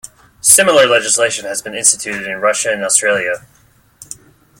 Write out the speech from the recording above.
Similar legislation has been instituted in Russia and Australia.